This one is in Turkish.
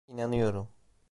İnanıyorum.